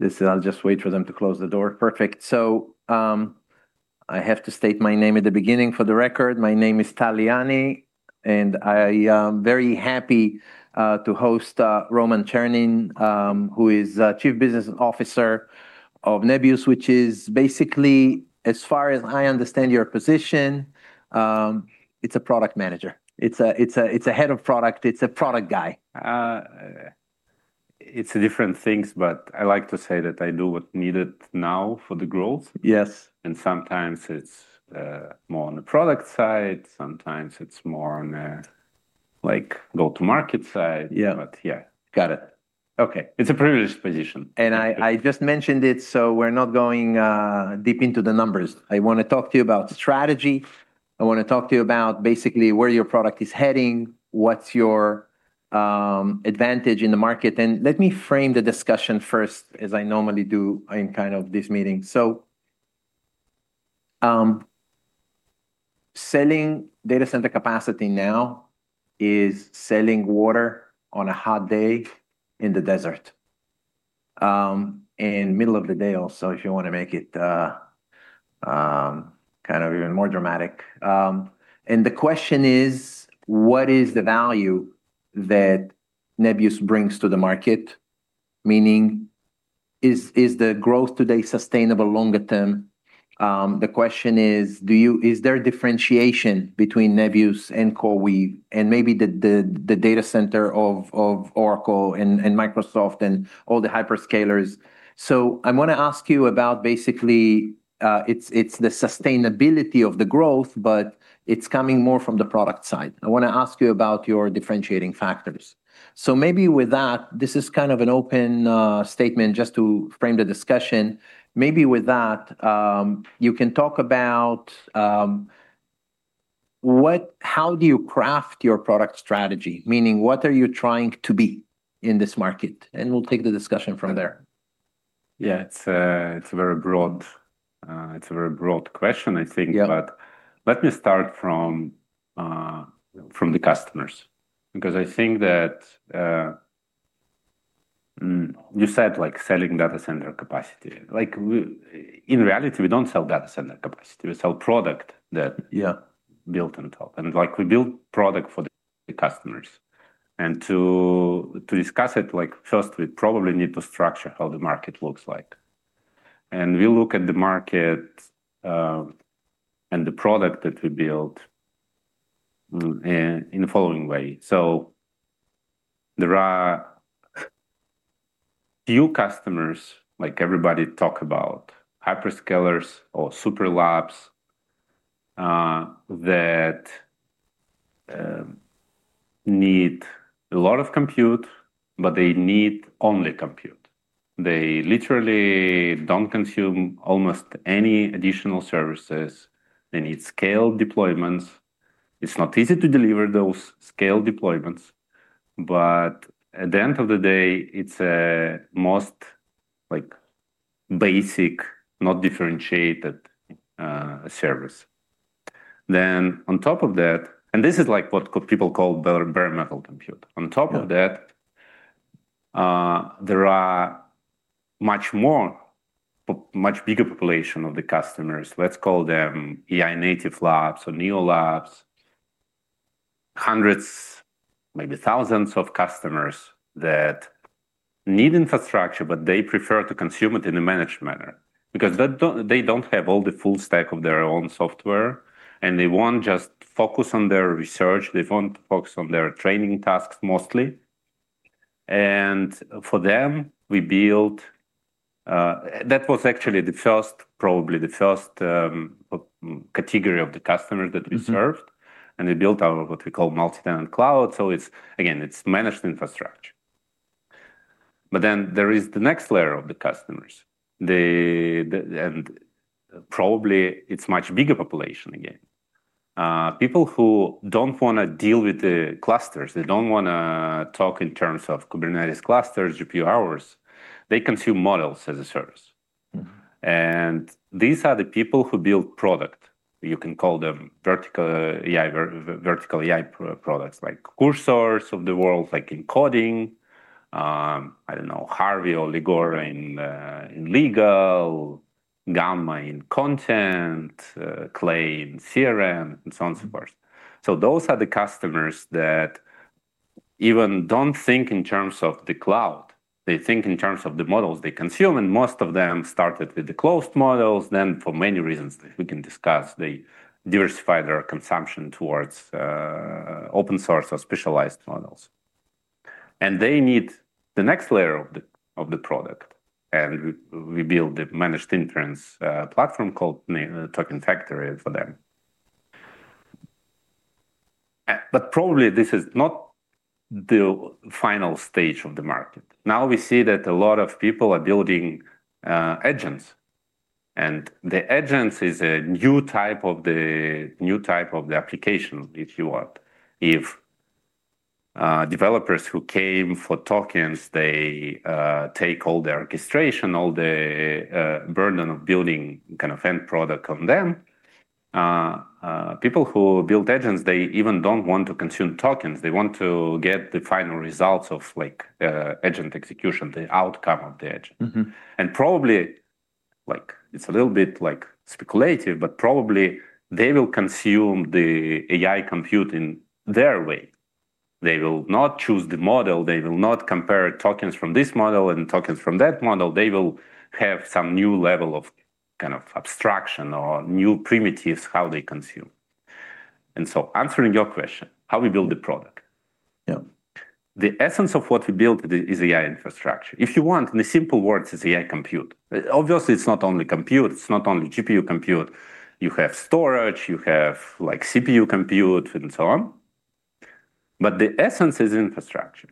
This is, I'll just wait for them to close the door. Perfect. I have to state my name at the beginning for the record. My name is Tal Liani, and I am very happy to host Roman Chernin, who is Chief Business Officer of Nebius, which is basically, as far as I understand your position, it's a product manager. It's a head of product. It's a product guy. It's different things, but I like to say that I do what's needed now for the growth. Yes. Sometimes it's more on the product side, sometimes it's more on the go-to-market side. Yeah. Yeah. Got it. Okay. It's a privileged position. I just mentioned it, we're not going deep into the numbers. I want to talk to you about strategy. I want to talk to you about basically where your product is heading, what's your advantage in the market. Let me frame the discussion first, as I normally do in kind of these meetings. Selling data center capacity now is selling water on a hot day in the desert, in middle of the day also, if you want to make it kind of even more dramatic. The question is: what is the value that Nebius brings to the market? Meaning, is the growth today sustainable longer term? The question is: is there a differentiation between Nebius and CoreWeave and maybe the data center of Oracle and Microsoft and all the hyperscalers? I want to ask you about basically, it's the sustainability of the growth, but it's coming more from the product side. I want to ask you about your differentiating factors. Maybe with that, this is kind of an open statement just to frame the discussion. Maybe with that, you can talk about how do you craft your product strategy, meaning what are you trying to be in this market? We'll take the discussion from there. Yeah. It's a very broad question, I think. Yeah. Let me start from the customers, because I think that you said selling data center capacity. In reality, we don't sell data center capacity, we sell product that- Yeah built on top. We build product for the customers. To discuss it, first, we probably need to structure how the market looks like. We look at the market and the product that we build in the following way. There are few customers, like everybody talk about hyperscalers or super labs, that need a lot of compute, but they need only compute. They literally don't consume almost any additional services. They need scaled deployments. It's not easy to deliver those scale deployments, but at the end of the day, it's a most basic, not differentiated service. On top of that, this is what people call bare metal compute. On top of that, there are much more, much bigger population of the customers, let's call them AI native labs or neo labs, hundreds, maybe thousands of customers that need infrastructure, but they prefer to consume it in a managed manner because they don't have all the full stack of their own software, and they want just focus on their research. They want just focus on their training tasks mostly. For them, that was actually probably the first category of the customers that we served, and we built our what we call multi-tenant cloud. It's, again, it's managed infrastructure. There is the next layer of the customers. Probably it's much bigger population again. People who don't want to deal with the clusters, they don't want to talk in terms of Kubernetes clusters, GPU hours. They consume models as a service. These are the people who build product. You can call them vertical AI products, like Cursors of the world, like in coding. I don't know, Harvey or Legal in legal, Gamma in content, Clay in CRM, and so on, so forth. Those are the customers that even don't think in terms of the cloud. They think in terms of the models they consume, and most of them started with the closed models. For many reasons that we can discuss, they diversify their consumption towards open source or specialized models. They need the next layer of the product. We build the managed inference platform called Token Factory for them. Probably this is not the final stage of the market. Now we see that a lot of people are building agents, and the agents is a new type of the application, if you want. If developers who came for tokens, they take all the orchestration, all the burden of building kind of end product on them. People who build agents, they even don't want to consume tokens. They want to get the final results of agent execution, the outcome of the agent. Probably, it's a little bit speculative, but probably they will consume the AI compute in their way. They will not choose the model. They will not compare tokens from this model and tokens from that model. They will have some new level of kind of abstraction or new primitives, how they consume. Answering your question, how we build the product. Yeah. The essence of what we build is AI infrastructure. If you want, in the simple words, it's AI compute. Obviously, it's not only compute, it's not only GPU compute. You have storage, you have CPU compute, and so on. The essence is infrastructure.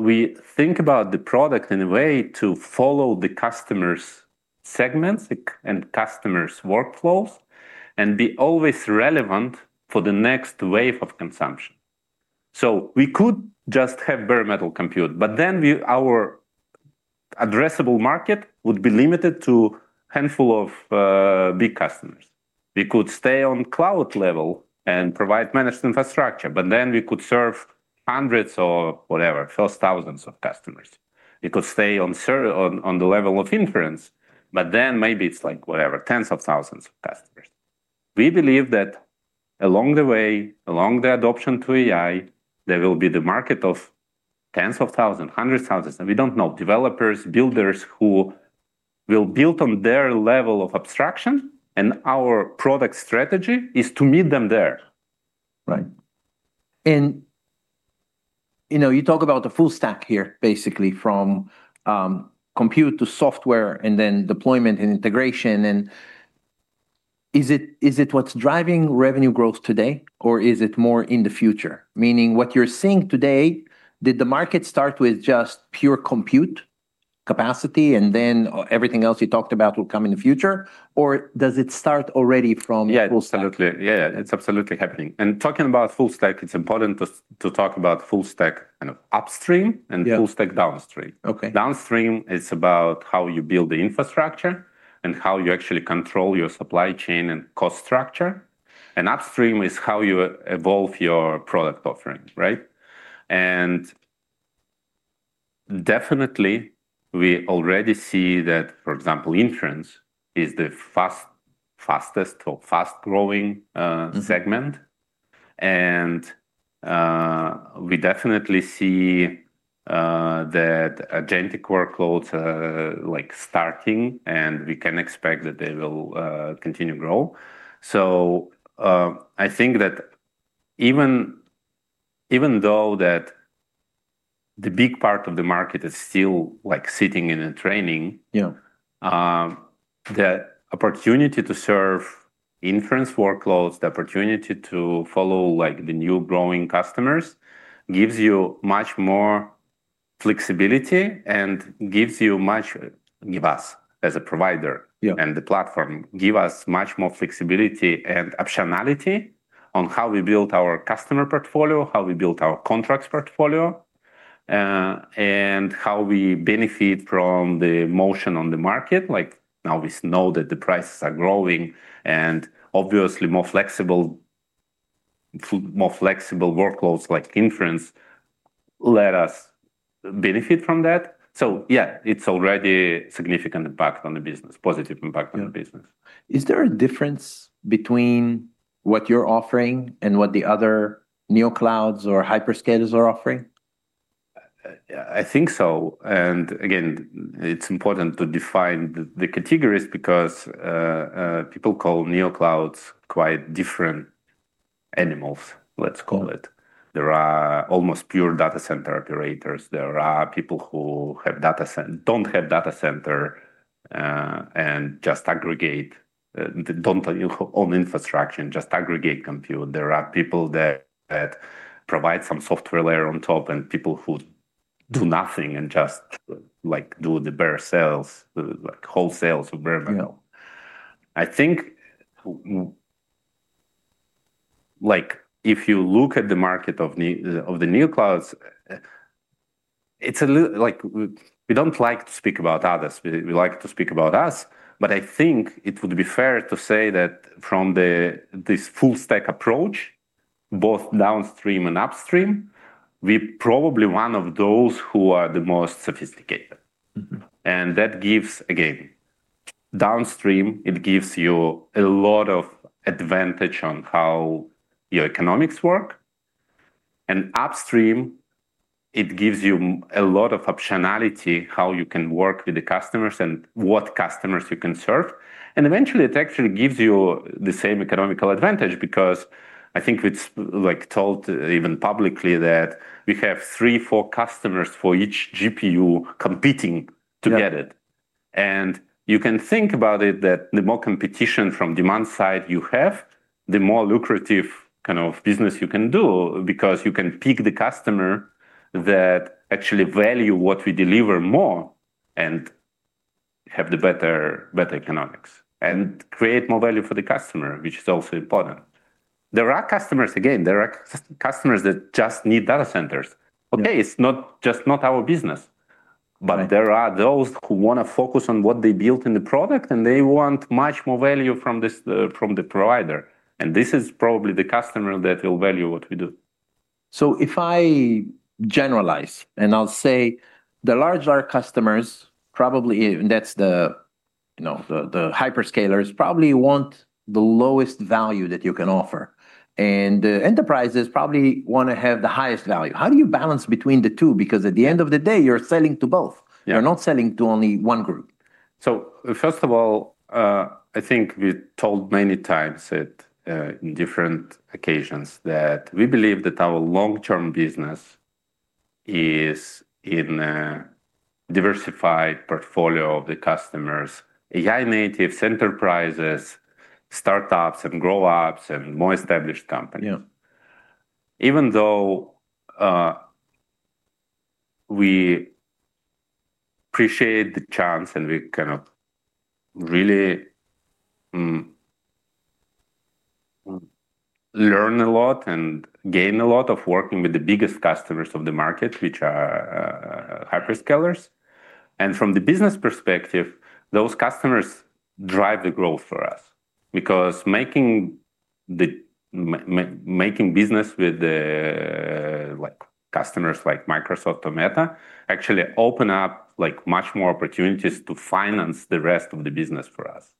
We think about the product in a way to follow the customer's segments and customer's workflows, and be always relevant for the next wave of consumption. We could just have bare metal compute, but then our addressable market would be limited to handful of big customers. We could stay on cloud level and provide managed infrastructure, but then we could serve hundreds or whatever, first thousands of customers. We could stay on the level of inference, but then maybe it's like whatever, tens of thousands of customers. We believe that along the way, along the adoption to AI, there will be the market of tens of thousands, hundreds of thousands, and we don't know, developers, builders who will build on their level of abstraction, and our product strategy is to meet them there. Right. You talk about the full stack here, basically from compute to software and then deployment and integration, and is it what's driving revenue growth today, or is it more in the future? Meaning what you're seeing today, did the market start with just pure compute capacity and then everything else you talked about will come in the future, or does it start already from full stack? Yeah, it's absolutely happening. Talking about full stack, it's important to talk about full stack kind of upstream. Yeah full stack downstream. Okay. Downstream is about how you build the infrastructure and how you actually control your supply chain and cost structure, and upstream is how you evolve your product offering, right? Definitely we already see that, for example, inference is the fastest or fast-growing segment. We definitely see that agentic workloads are starting, and we can expect that they will continue to grow. I think that even though the big part of the market is still sitting in training. Yeah The opportunity to serve inference workloads, the opportunity to follow the new growing customers gives you much more flexibility and give us as a provider. Yeah The platform, give us much more flexibility and optionality on how we build our customer portfolio, how we build our contracts portfolio, and how we benefit from the motion on the market. Now we know that the prices are growing and obviously more flexible workloads like inference let us benefit from that. It's already significant impact on the business, positive impact on the business. Yeah. Is there a difference between what you're offering and what the other neoclouds or hyperscalers are offering? I think so. Again, it's important to define the categories because people call neoclouds quite different animals, let's call it. There are almost pure data center operators. There are people who don't have data center, and just aggregate, don't own infrastructure, and just aggregate compute. There are people that provide some software layer on top, and people who do nothing and just do the bare metal, like wholesale, so bare metal. Yeah. I think, if you look at the market of the neoclouds, we don't like to speak about others, we like to speak about us, but I think it would be fair to say that from this full-stack approach, both downstream and upstream, we're probably one of those who are the most sophisticated. That gives, again, downstream, it gives you a lot of advantage on how your economics work, and upstream, it gives you a lot of optionality, how you can work with the customers and what customers you can serve. Eventually it actually gives you the same economical advantage because I think it's told even publicly that we have three, four customers for each GPU competing to get it. Yeah. You can think about it that the more competition from demand side you have, the more lucrative kind of business you can do because you can pick the customer that actually value what we deliver more and have the better economics, and create more value for the customer, which is also important. There are customers, again, there are customers that just need data centers. Okay, it's not just not our business. Right. There are those who want to focus on what they built in the product, and they want much more value from the provider. This is probably the customer that will value what we do. If I generalize, I'll say the large our customers probably, and that's the hyperscalers, probably want the lowest value that you can offer. Enterprises probably want to have the highest value. How do you balance between the two? Because at the end of the day, you're selling to both. Yeah. You're not selling to only one group. First of all, I think we told many times in different occasions that we believe that our long-term business is in a diversified portfolio of the customers, AI natives, enterprises, startups, and grow-ups, and more established companies. Yeah. Even though we appreciate the chance, we cannot really learn a lot and gain a lot of working with the biggest customers of the market, which are hyperscalers. From the business perspective, those customers drive the growth for us. Making business with customers like Microsoft or Meta actually open up much more opportunities to finance the rest of the business for us.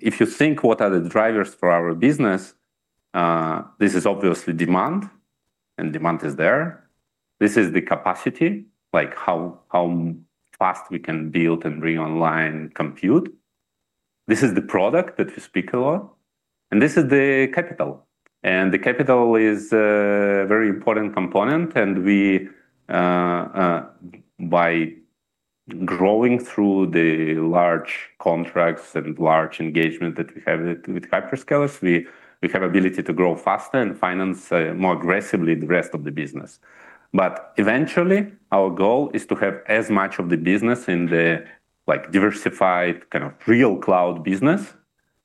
If you think what are the drivers for our business, this is obviously demand, and demand is there. This is the capacity, how fast we can build and bring online compute. This is the product that we speak a lot, and this is the capital. The capital is a very important component, and by growing through the large contracts and large engagement that we have with hyperscalers, we have ability to grow faster and finance more aggressively the rest of the business. Eventually, our goal is to have as much of the business in the diversified, kind of real cloud business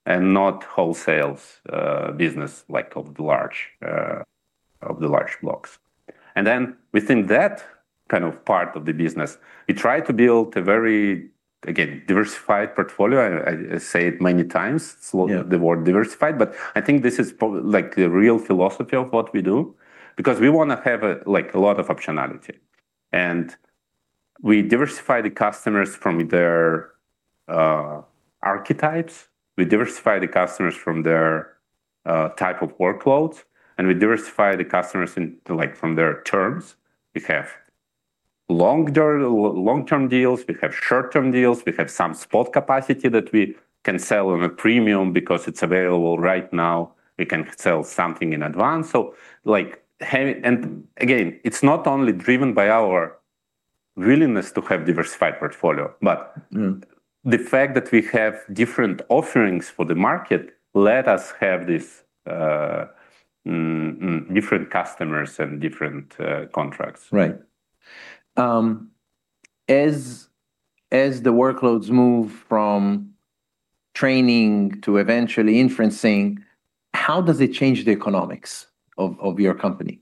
and not wholesale business of the large blocks. Within that kind of part of the business, we try to build a very, again, diversified portfolio. Yeah The word diversified, but I think this is probably the real philosophy of what we do because we want to have a lot of optionality. We diversify the customers from their archetypes, we diversify the customers from their type of workloads, and we diversify the customers from their terms. We have long-term deals, we have short-term deals, we have some spot capacity that we can sell on a premium because it's available right now. We can sell something in advance. Again, it's not only driven by our willingness to have diversified portfolio. The fact that we have different offerings for the market let us have these different customers and different contracts. Right. As the workloads move from training to eventually inferencing, how does it change the economics of your company?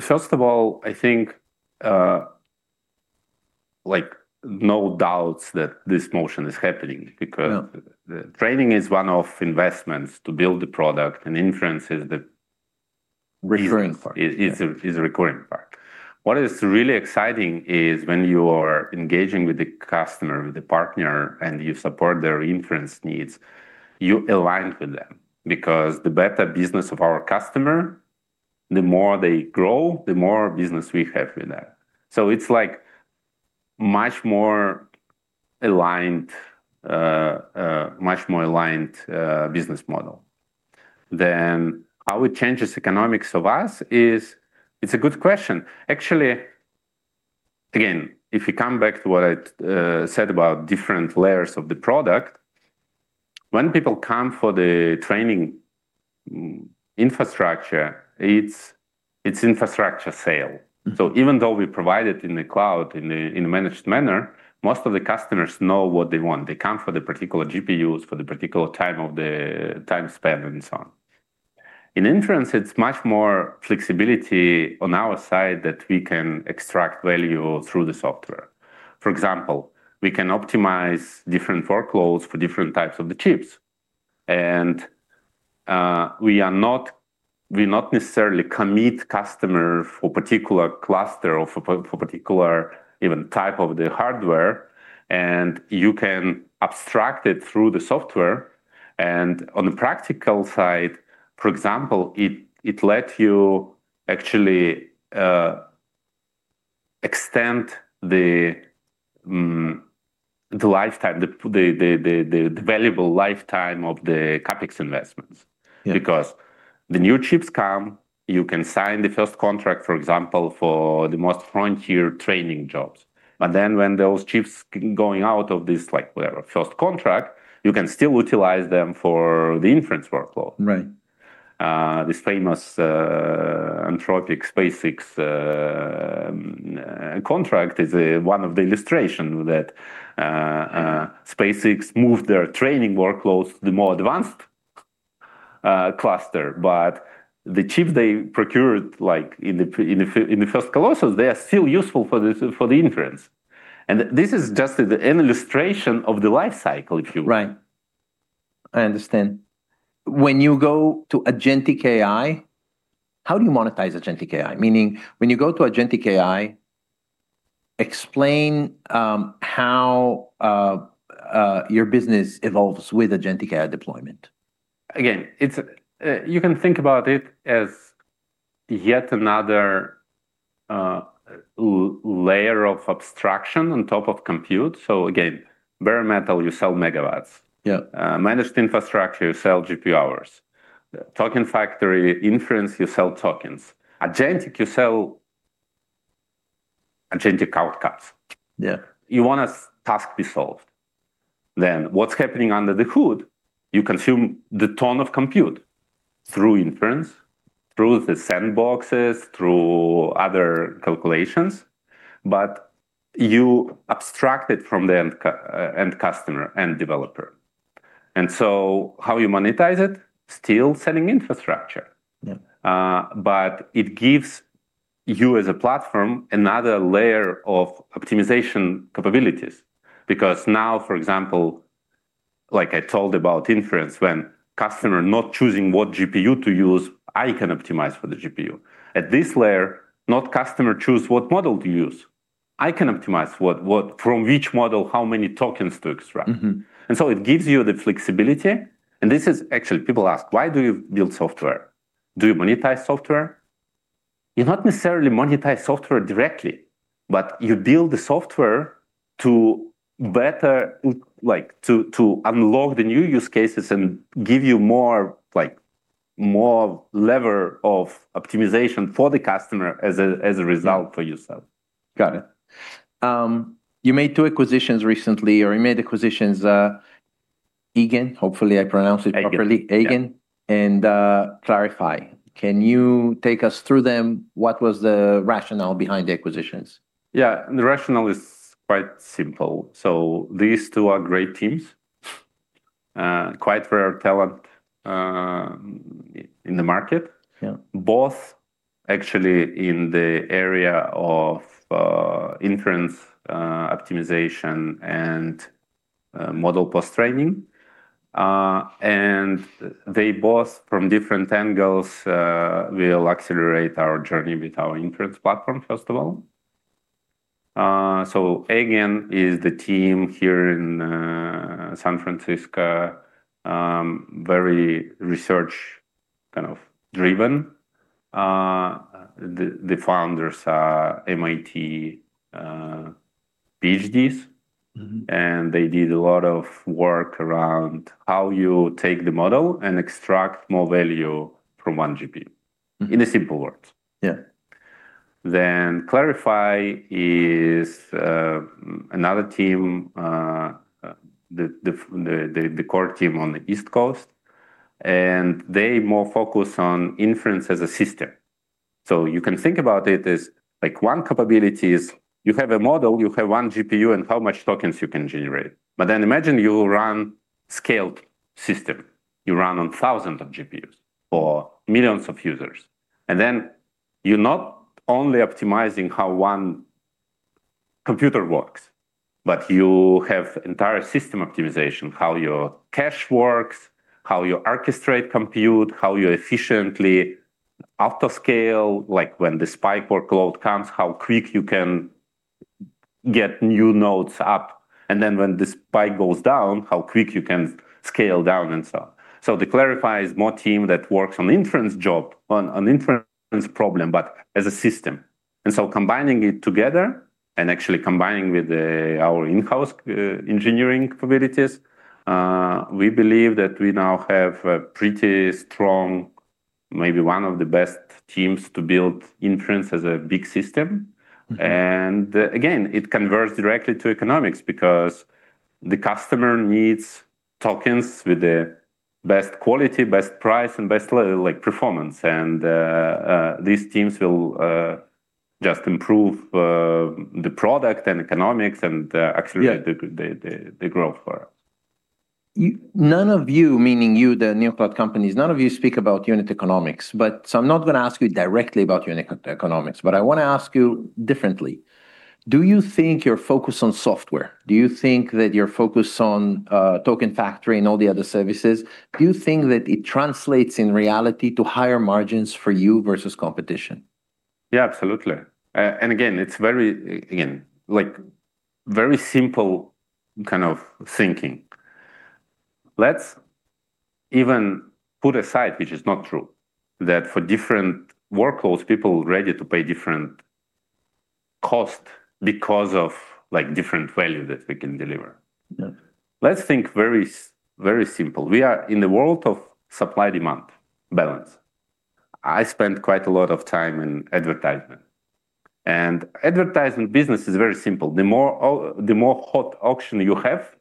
First of all, I think no doubts that this motion is happening. Yeah Training is one-off investments to build the product, and inference is the... Recurring part, yeah. -is a recurring part. What is really exciting is when you are engaging with the customer, with the partner, and you support their inference needs, you align with them because the better business of our customer, the more they grow, the more business we have with them. It's much more aligned business model. How it changes economics of us is, it's a good question. Actually, again, if you come back to what I said about different layers of the product, when people come for the training infrastructure, it's infrastructure sale. Even though we provide it in the cloud in a managed manner, most of the customers know what they want. They come for the particular GPUs, for the particular time span, and so on. In inference, it's much more flexibility on our side that we can extract value through the software. For example, we can optimize different workloads for different types of the chips. We not necessarily commit customer for particular cluster or for particular even type of the hardware, and you can abstract it through the software. On the practical side, for example, it let you actually extend the valuable lifetime of the CapEx investments. Yeah. The new chips come, you can sign the first contract, for example, for the most frontier training jobs. When those chips going out of this first contract, you can still utilize them for the inference workload. Right. This famous Anthropic SpaceX contract is one of the illustration that SpaceX moved their training workloads to the more advanced cluster, but the chip they procured in the first Colossus, they are still useful for the inference. This is just an illustration of the life cycle, if you will. Right. I understand. When you go to agentic AI, how do you monetize agentic AI? Meaning when you go to agentic AI, explain how your business evolves with agentic AI deployment. Again, you can think about it as yet another layer of abstraction on top of compute. Again, bare metal, you sell megawatts. Yeah. Managed infrastructure, you sell GPU hours. Token Factory inference, you sell tokens. Agentic, you sell agentic outcomes. Yeah. You want a task be solved. What's happening under the hood, you consume the ton of compute through inference, through the sandboxes, through other calculations, but you abstract it from the end customer, end developer. How you monetize it, still selling infrastructure. Yeah. It gives you as a platform another layer of optimization capabilities. Now, for example, like I told about inference when customer not choosing what GPU to use, I can optimize for the GPU. At this layer, not customer choose what model to use. I can optimize from which model, how many tokens to extract. It gives you the flexibility, and this is actually, people ask, why do you build software? Do you monetize software? You not necessarily monetize software directly, but you build the software to better unlock the new use cases and give you more lever of optimization for the customer as a result for yourself. Got it. You made two acquisitions recently, or you made acquisitions, Aigen, hopefully I pronounce it properly. Aigen, yeah. Aigen and Clarifai. Can you take us through them? What was the rationale behind the acquisitions? Yeah, the rationale is quite simple. These two are great teams, quite rare talent in the market. Yeah. Both actually in the area of inference optimization and model post-training. They both from different angles, will accelerate our journey with our inference platform, first of all. Aigen is the team here in San Francisco, very research kind of driven. The founders are MIT PhDs. They did a lot of work around how you take the model and extract more value from 1 GPU, in a simple word. Yeah. Clarifai is another team, the core team on the East Coast, and they more focus on inference as a system. You can think about it as one capability is you have a model, you have one GPU, and how much tokens you can generate. Imagine you run scaled system. You run on thousands of GPUs or millions of users, and then you're not only optimizing how one computer works, but you have entire system optimization, how your cache works, how you orchestrate compute, how you efficiently autoscale, like when the spike workload comes, how quick you can get new nodes up, and then when the spike goes down, how quick you can scale down and so on. The Clarifai is more team that works on inference job, on an inference problem, but as a system. Combining it together and actually combining with our in-house engineering capabilities, we believe that we now have a pretty strong, maybe one of the best teams to build inference as a big system. Again, it converts directly to economics because the customer needs tokens with the best quality, best price, and best performance. These teams will just improve the product and economics the growth for it. None of you, meaning you, the neocloud companies, none of you speak about unit economics. I'm not going to ask you directly about unit economics. I want to ask you differently. Do you think your focus on software, do you think that your focus on Token Factory and all the other services, do you think that it translates in reality to higher margins for you versus competition? Yeah, absolutely. Again, it's very simple kind of thinking. Let's even put aside, which is not true, that for different workloads, people ready to pay different cost because of different value that we can deliver. Yeah. Let's think very simple. We are in the world of supply-demand balance. I spent quite a lot of time in advertisement. Advertisement business is very simple. The more hot auction you have,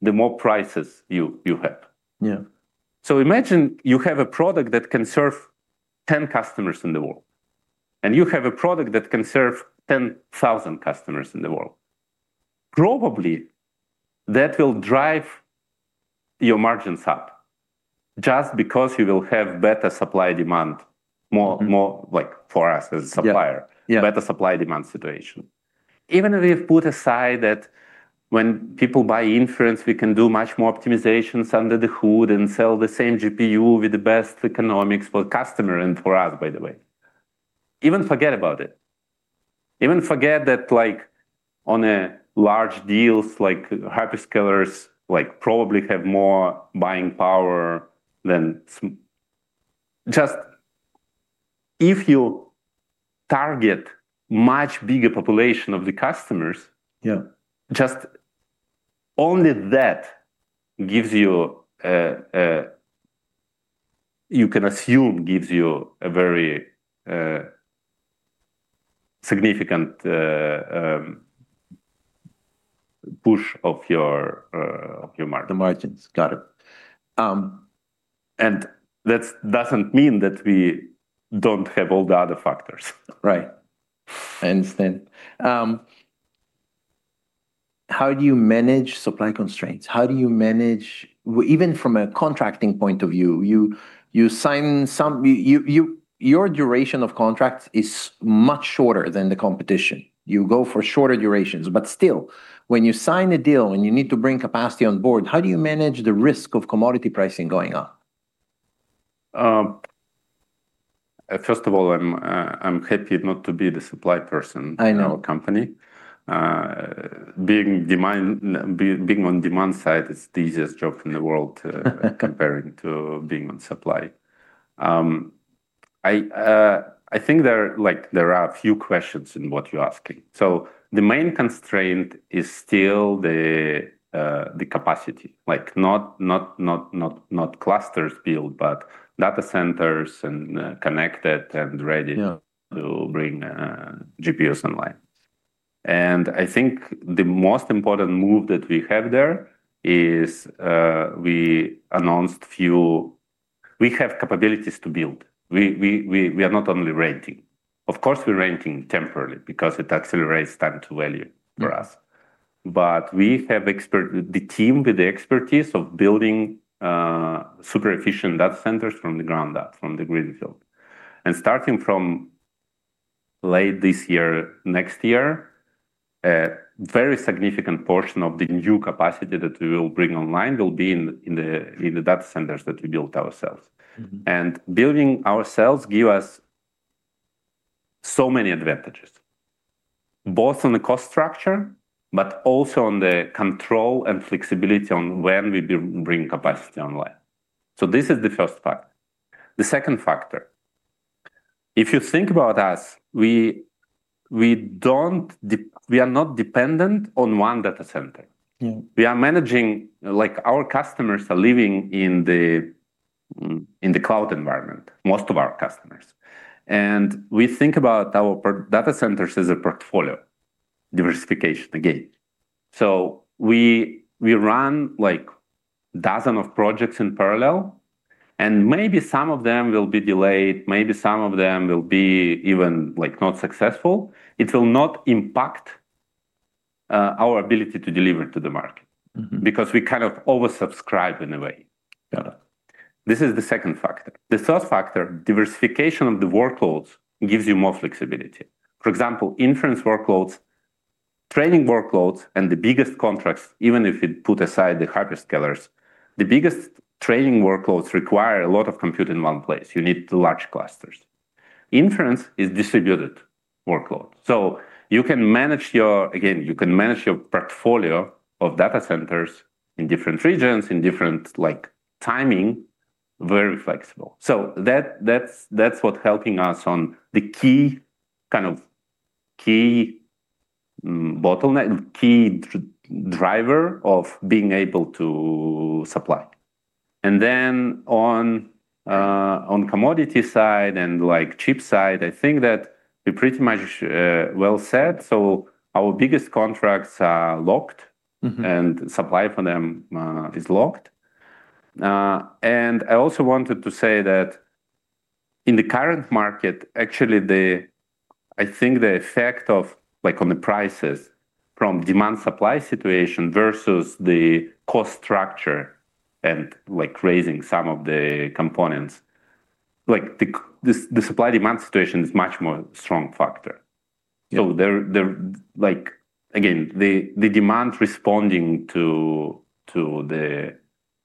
the more prices you have. Yeah. Imagine you have a product that can serve 10 customers in the world, and you have a product that can serve 10,000 customers in the world. Probably, that will drive your margins up just because you will have better supply-demand. Yeah Better supply-demand situation. Even if we've put aside that when people buy inference, we can do much more optimizations under the hood and sell the same GPU with the best economics for customer and for us, by the way. Even forget about it. Even forget that on a large deals, like hyperscalers probably have more buying power than some. Just if you target much bigger population of the customers. Yeah just only that you can assume gives you a very significant push of your margin. The margins. Got it. That doesn't mean that we don't have all the other factors. Right. I understand. How do you manage supply constraints? How do you manage, even from a contracting point of view, your duration of contracts is much shorter than the competition. You go for shorter durations, but still, when you sign a deal and you need to bring capacity on board, how do you manage the risk of commodity pricing going up? First of all, I'm happy not to be the supply person. I know. In our company. Being on demand side is the easiest job in the world comparing to being on supply. I think there are a few questions in what you're asking. The main constraint is still the capacity, like not clusters built, but data centers and connected and ready. Yeah to bring GPUs online. I think the most important move that we have there is we announced We have capabilities to build. We are not only renting. Of course, we're renting temporarily because it accelerates time to value for us. We have the team with the expertise of building super efficient data centers from the ground up, from the greenfield. Starting from late this year, next year, a very significant portion of the new capacity that we will bring online will be in the data centers that we built ourselves. Building ourselves give us so many advantages, both on the cost structure, but also on the control and flexibility on when we bring capacity online. This is the first part. The second factor, if you think about us, we are not dependent on one data center. We are managing, like our customers are living in the cloud environment, most of our customers. We think about our data centers as a portfolio, diversification again. We run dozen of projects in parallel, and maybe some of them will be delayed, maybe some of them will be even not successful. It will not impact our ability to deliver to the market. We kind of oversubscribe in a way. Got it. This is the second factor. The third factor, diversification of the workloads gives you more flexibility. For example, inference workloads, training workloads, and the biggest contracts, even if you put aside the hyperscalers, the biggest training workloads require a lot of compute in one place. You need large clusters. Inference is distributed workload. Again, you can manage your portfolio of data centers in different regions, in different timing, very flexible. That's what helping us on the key bottleneck, key driver of being able to supply. On commodity side and cheap side, I think that we're pretty much well set. Our biggest contracts are locked. Supply for them is locked. I also wanted to say that in the current market, actually, I think the effect of on the prices from demand supply situation versus the cost structure and raising some of the components, the supply-demand situation is much more strong factor. Yeah. Again, the demand responding to the.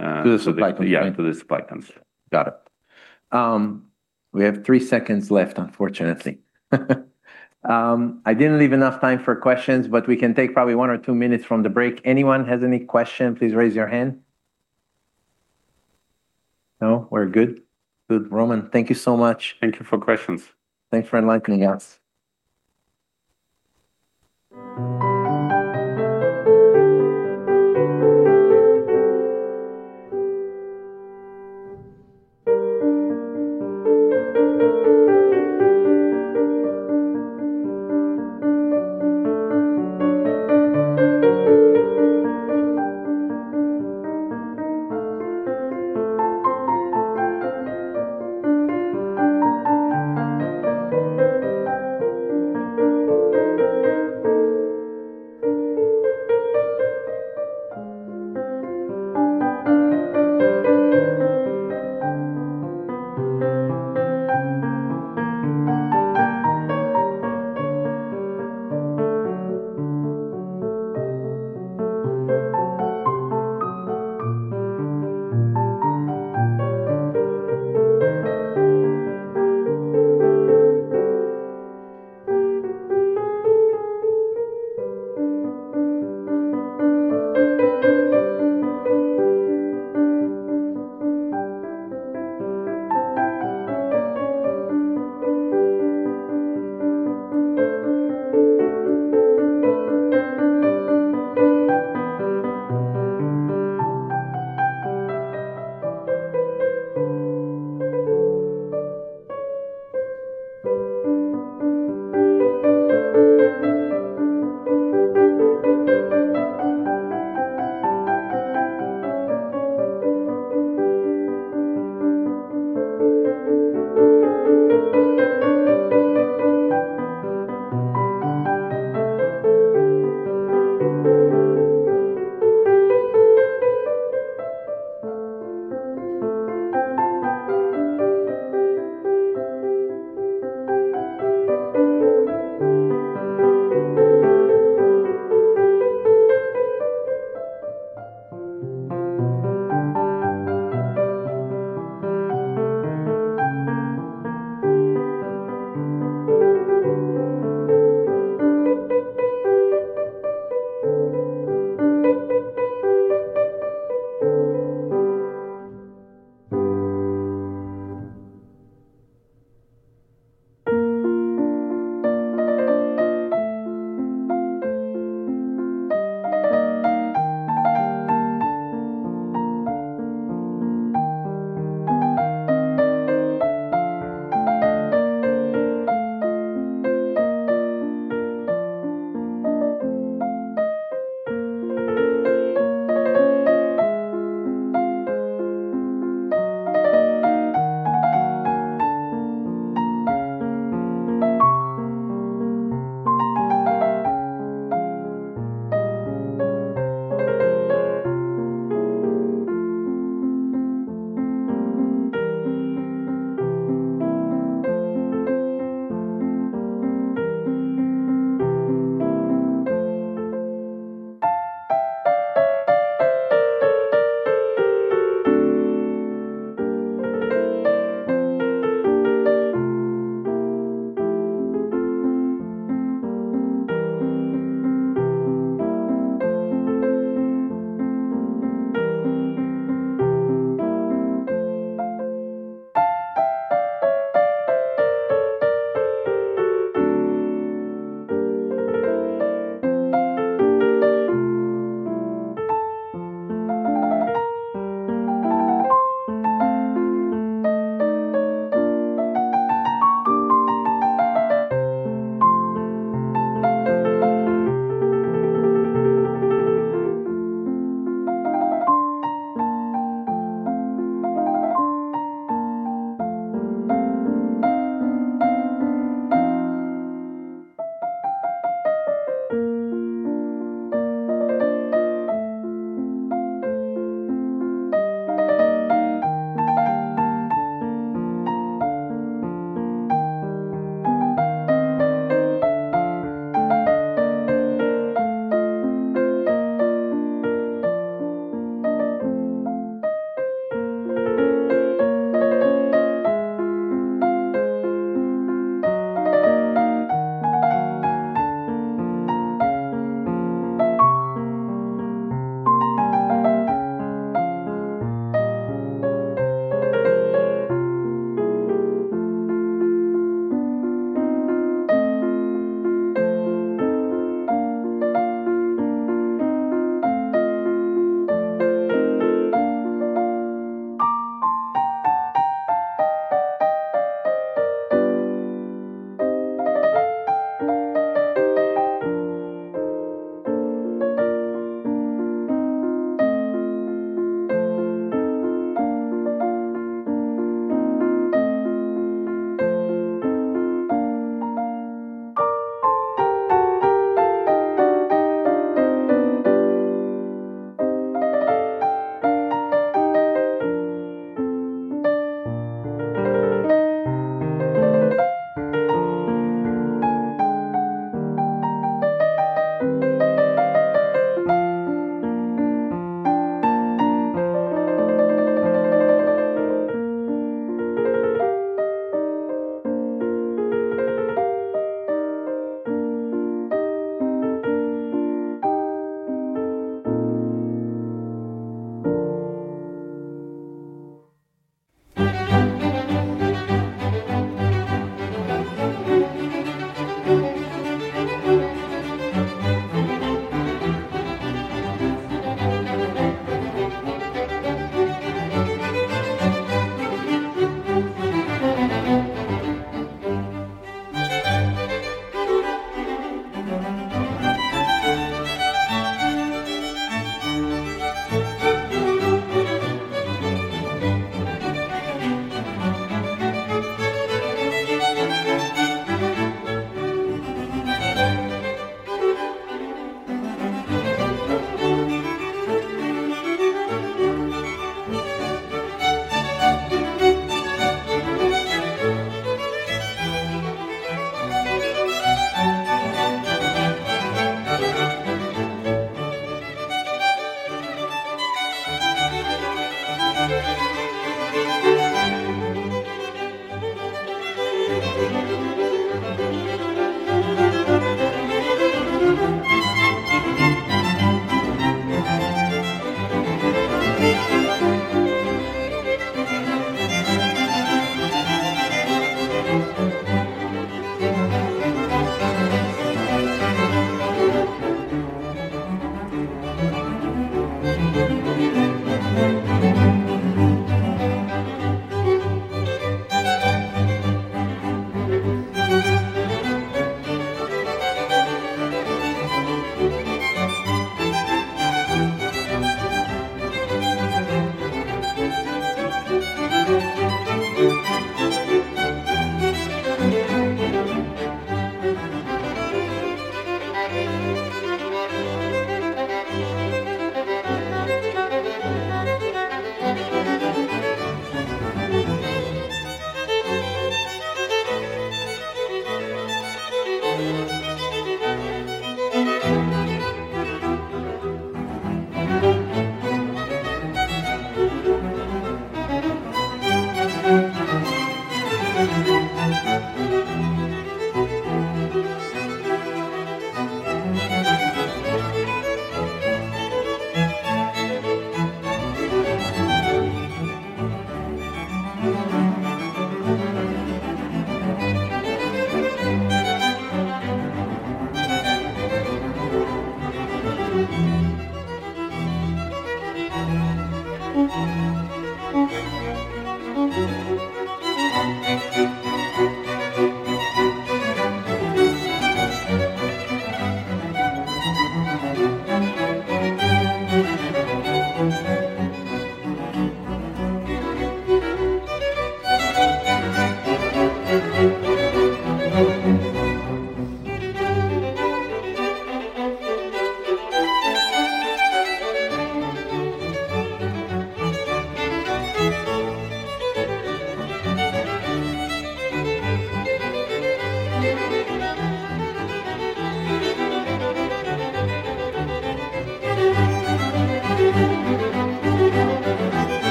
To the supply constraint. Yeah, to the supply constraint. Got it. We have three seconds left, unfortunately. I didn't leave enough time for questions, but we can take probably one or two minutes from the break. Anyone has any question, please raise your hand. No, we're good? Good. Roman, thank you so much. Thank you for questions. Thanks for enlightening us.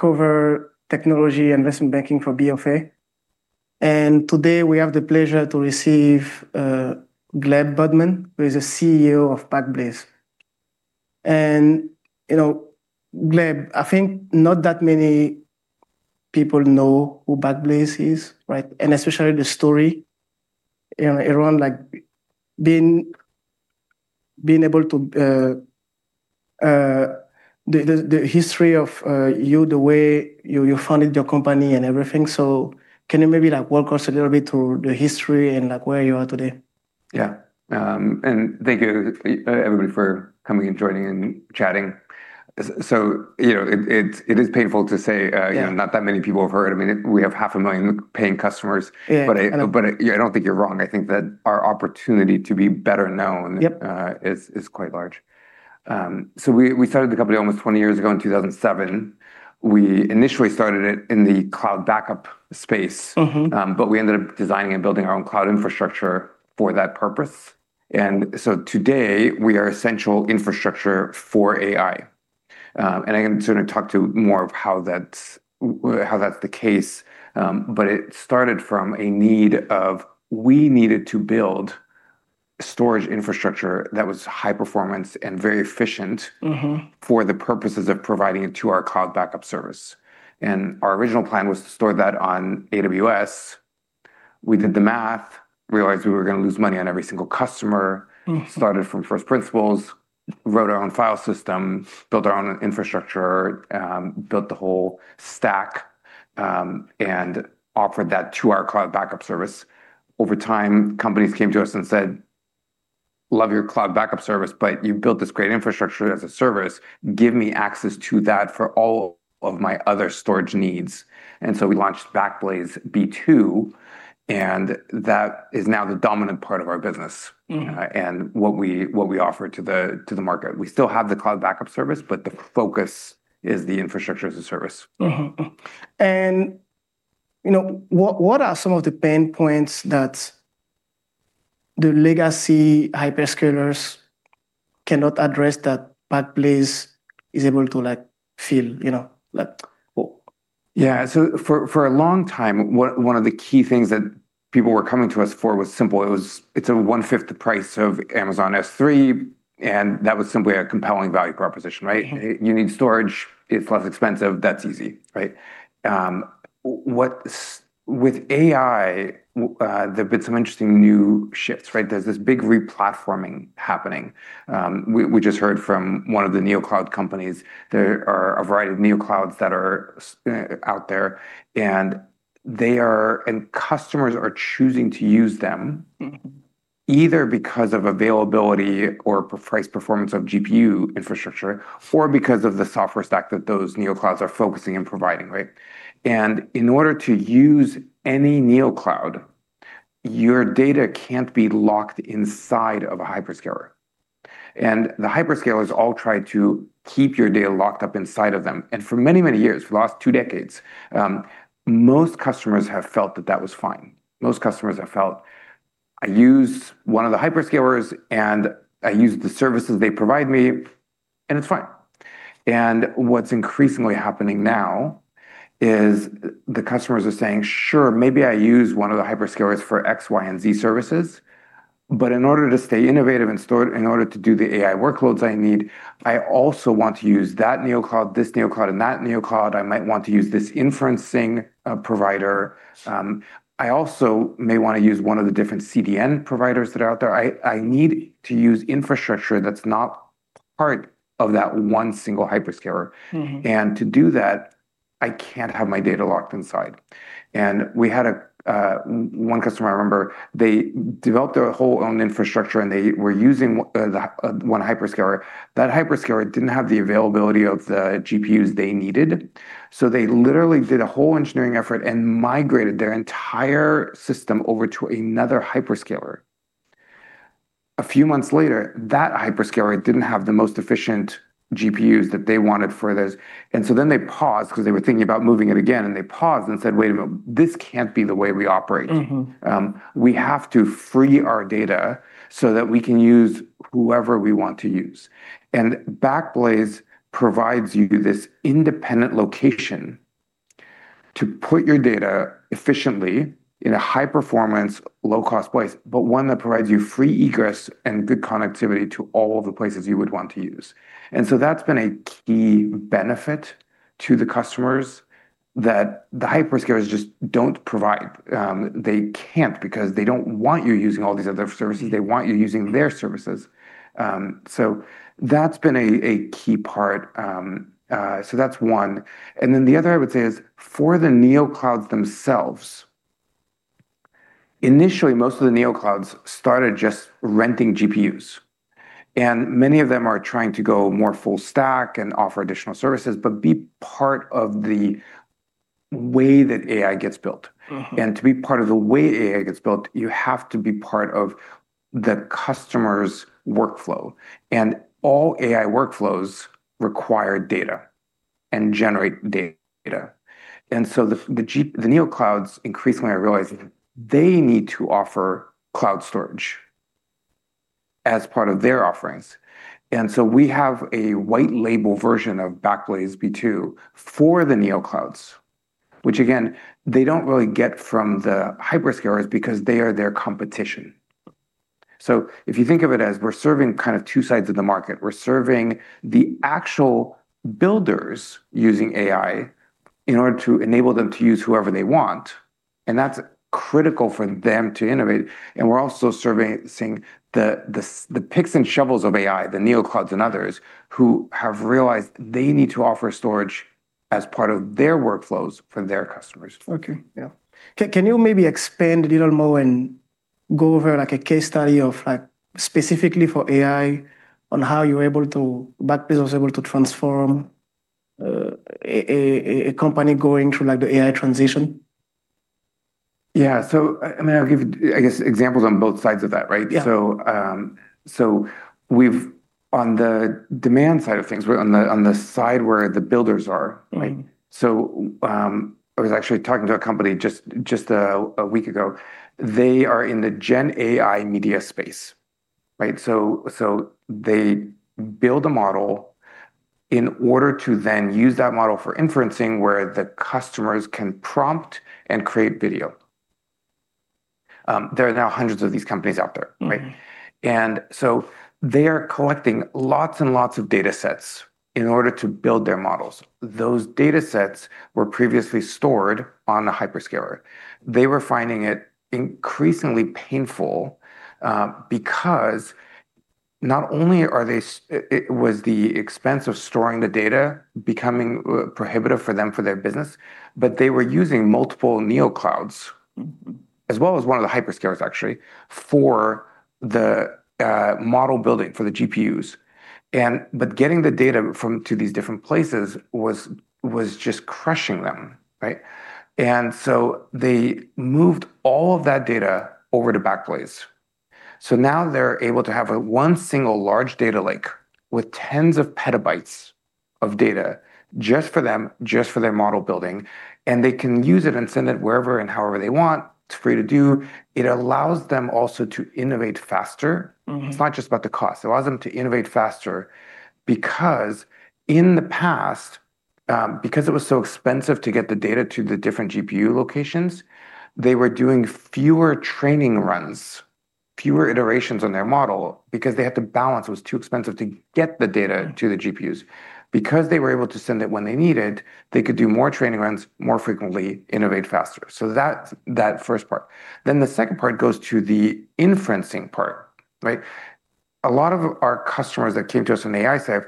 I cover technology investment banking for BofA. Today we have the pleasure to receive Gleb Budman, who is the CEO of Backblaze. Gleb, I think not that many people know who Backblaze is, right? Especially the story around the history of you, the way you founded your company and everything. Can you maybe walk us a little bit through the history and where you are today? Yeah. Thank you, everybody, for coming and joining and chatting. Yeah Not that many people have heard of me. We have half a million paying customers. Yeah. I don't think you're wrong. I think that our opportunity to be better known. Yep is quite large. We started the company almost 20 years ago in 2007. We initially started it in the cloud backup space. We ended up designing and building our own cloud infrastructure for that purpose. Today, we are essential infrastructure for AI. I'm going to talk to more of how that's the case. It started from a need of we needed to build storage infrastructure that was high performance and very efficient for the purposes of providing it to our cloud backup service. Our original plan was to store that on AWS. We did the math, realized we were going to lose money on every single customer. Started from first principles, wrote our own file system, built our own infrastructure, built the whole stack and offered that to our cloud backup service. Over time, companies came to us and said, "Love your cloud backup service, but you built this great infrastructure as a service. Give me access to that for all of my other storage needs." We launched Backblaze B2, and that is now the dominant part of our business. What we offer to the market. We still have the cloud backup service, but the focus is the infrastructure as a service. What are some of the pain points that the legacy hyperscalers cannot address that Backblaze is able to fill? Yeah. For a long time, one of the key things that people were coming to us for was simple. It's a 1/5 the price of Amazon S3, and that was simply a compelling value proposition, right? You need storage, it's less expensive. That's easy, right? With AI, there have been some interesting new shifts, right? There's this big replatforming happening. We just heard from one of the neocloud companies. There are a variety of neoclouds that are out there, and customers are choosing to use them. either because of availability or price performance of GPU infrastructure, or because of the software stack that those neoclouds are focusing and providing, right? In order to use any neocloud, your data can't be locked inside of a hyperscaler. The hyperscalers all try to keep your data locked up inside of them. For many, many years, for the last two decades, most customers have felt that that was fine. Most customers have felt, "I use one of the hyperscalers, and I use the services they provide me, and it's fine." What's increasingly happening now is the customers are saying, "Sure, maybe I use one of the hyperscalers for X, Y, and Z services. In order to stay innovative and in order to do the AI workloads I need, I also want to use that neocloud, this neocloud, and that neocloud. I might want to use this inferencing provider. I also may want to use one of the different CDN providers that are out there. I need to use infrastructure that's not part of that one single hyperscaler. To do that, I can't have my data locked inside. We had one customer, I remember, they developed their whole own infrastructure, and they were using one hyperscaler. That hyperscaler didn't have the availability of the GPUs they needed, so they literally did a whole engineering effort and migrated their entire system over to another hyperscaler. A few months later, that hyperscaler didn't have the most efficient GPUs that they wanted for this. They paused because they were thinking about moving it again, and they paused and said, "Wait a minute. This can't be the way we operate. We have to free our data so that we can use whoever we want to use. Backblaze provides you this independent location to put your data efficiently in a high-performance, low-cost place, but one that provides you free egress and good connectivity to all of the places you would want to use. That's been a key benefit to the customers that the hyperscalers just don't provide. They can't because they don't want you using all these other services. They want you using their services. That's been a key part. That's one. The other I would say is for the neoclouds themselves, initially, most of the neoclouds started just renting GPUs. Many of them are trying to go more full stack and offer additional services, but be part of the way that AI gets built. To be part of the way AI gets built, you have to be part of the customer's workflow. All AI workflows require data and generate data. The neoclouds increasingly are realizing they need to offer cloud storage as part of their offerings. We have a white-label version of Backblaze B2 for the neoclouds, which again, they don't really get from the hyperscalers because they are their competition. If you think of it as we're serving kind of two sides of the market, we're serving the actual builders using AI in order to enable them to use whoever they want, and that's critical for them to innovate. We're also servicing the picks and shovels of AI, the neoclouds and others, who have realized they need to offer storage as part of their workflows for their customers. Okay. Yeah. Can you maybe expand a little more and go over a case study of specifically for AI on how Backblaze was able to transform a company going through the AI transition? Yeah. I'll give, I guess, examples on both sides of that, right? Yeah. On the demand side of things, on the side where the builders are, right? I was actually talking to a company just a week ago. They are in the GenAI media space, right? They build a model in order to then use that model for inferencing where the customers can prompt and create video. There are now hundreds of these companies out there, right? They are collecting lots and lots of datasets in order to build their models. Those datasets were previously stored on the hyperscaler. They were finding it increasingly painful because not only was the expense of storing the data becoming prohibitive for them for their business, but they were using multiple neoclouds, as well as one of the hyperscalers actually, for the model building for the GPUs. Getting the data to these different places was just crushing them. Right? They moved all of that data over to Backblaze. Now they're able to have one single large data lake with tens of petabytes of data just for them, just for their model building, and they can use it and send it wherever and however they want. It's free to do. It allows them also to innovate faster. It's not just about the cost. It allows them to innovate faster because in the past, because it was so expensive to get the data to the different GPU locations, they were doing fewer training runs, fewer iterations on their model because they had to balance. It was too expensive to get the data to the GPUs. They were able to send it when they needed, they could do more training runs more frequently, innovate faster. That first part. The second part goes to the inferencing part. Right? A lot of our customers that came to us on AI side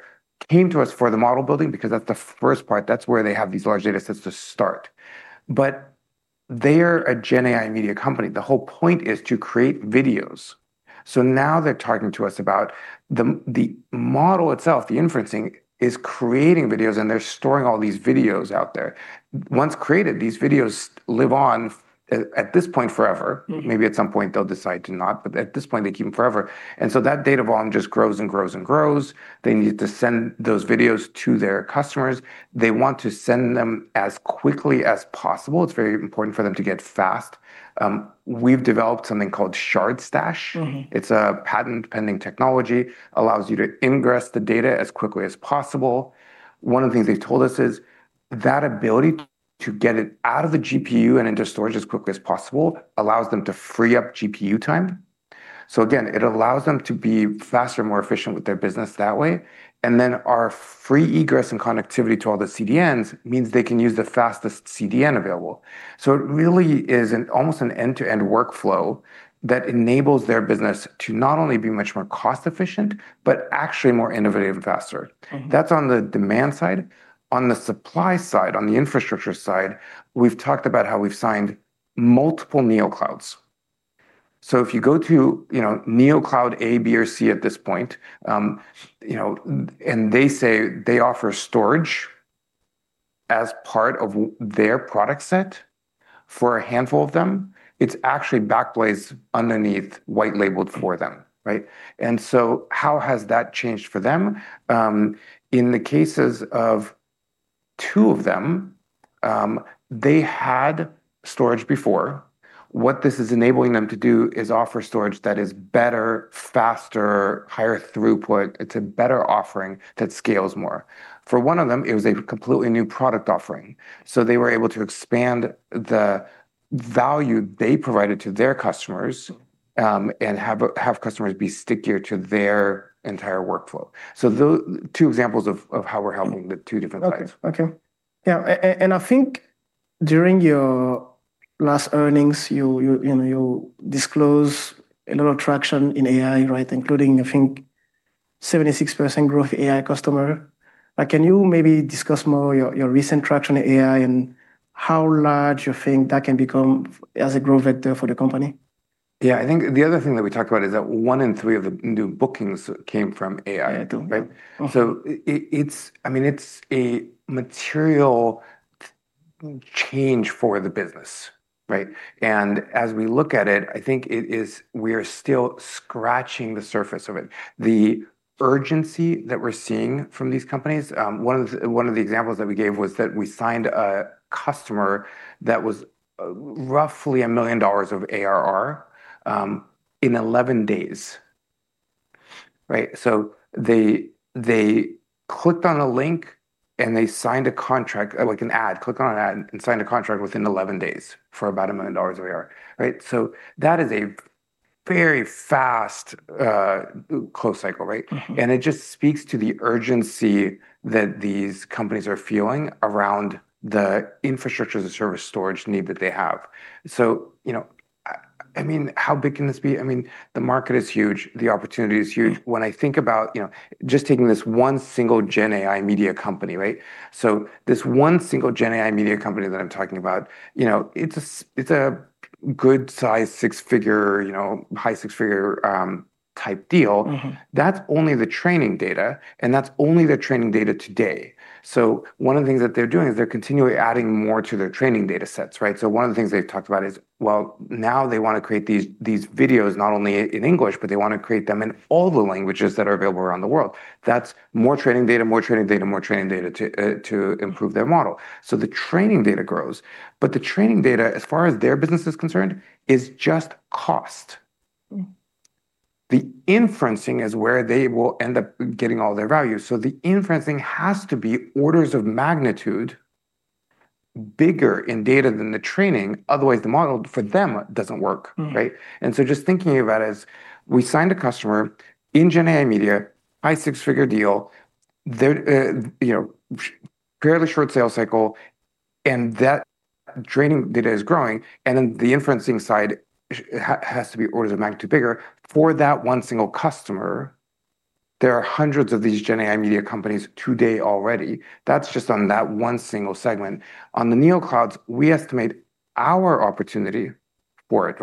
came to us for the model building because that's the first part. That's where they have these large data sets to start. They're a GenAI media company. The whole point is to create videos. Now they're talking to us about the model itself. The inferencing is creating videos, and they're storing all these videos out there. Once created, these videos live on at this point forever. Maybe at some point they'll decide to not, but at this point they keep them forever, and so that data volume just grows and grows and grows. They need to send those videos to their customers. They want to send them as quickly as possible. It's very important for them to get fast. We've developed something called Shard Stash. It's a patent-pending technology, allows you to ingress the data as quickly as possible. One of the things they told us is that ability to get it out of the GPU and into storage as quickly as possible allows them to free up GPU time. Again, it allows them to be faster and more efficient with their business that way. Our free egress and connectivity to all the CDNs means they can use the fastest CDN available. It really is almost an end-to-end workflow that enables their business to not only be much more cost efficient, but actually more innovative and faster. That's on the demand side. On the supply side, on the infrastructure side, we've talked about how we've signed multiple neoclouds. If you go to neocloud A, B, or C at this point, and they say they offer storage as part of their product set for a handful of them, it's actually Backblaze underneath white-labeled for them. Right? How has that changed for them? In the cases of two of them, they had storage before. What this is enabling them to do is offer storage that is better, faster, higher throughput. It's a better offering that scales more. For one of them, it was a completely new product offering, so they were able to expand the value they provided to their customers, and have customers be stickier to their entire workflow. Those two examples of how we're helping the two different sides. Okay. Yeah, I think during your last earnings, you disclose a lot of traction in AI, right? Including, I think, 76% growth AI customer. Can you maybe discuss more your recent traction in AI and how large you think that can become as a growth vector for the company? Yeah, I think the other thing that we talked about is that one in three of the new bookings came from AI. Yeah, true. Right? I mean, it's a material change for the business, right? As we look at it, I think we are still scratching the surface of it. The urgency that we're seeing from these companies, one of the examples that we gave was that we signed a customer that was roughly $1 million of ARR, in 11 days. Right? They clicked on a link, and they signed a contract, like an ad, clicked on an ad, and signed a contract within 11 days for about $1 million of ARR. Right? That is a very fast close cycle, right? It just speaks to the urgency that these companies are feeling around the infrastructure as a service storage need that they have. I mean, how big can this be? I mean, the market is huge. The opportunity is huge. When I think about just taking this one single GenAI media company, right? This one single GenAI media company that I'm talking about, it's a good size six figure, high six figure type deal. That's only the training data, and that's only the training data today. One of the things that they're doing is they're continually adding more to their training data sets, right? One of the things they've talked about is, well, now they want to create these videos not only in English, but they want to create them in all the languages that are available around the world. That's more training data, more training data, more training data to improve their model. The training data grows, but the training data, as far as their business is concerned, is just cost. The inferencing is where they will end up getting all their value, so the inferencing has to be orders of magnitude bigger in data than the training. Otherwise, the model for them doesn't work, right? Just thinking about it as we signed a customer in GenAI media, high $6-figure deal, fairly short sales cycle. That training data is growing, and then the inferencing side has to be orders of magnitude bigger for that one single customer. There are hundreds of these GenAI media companies today already. That's just on that one single segment. On the neoclouds, we estimate our opportunity for it.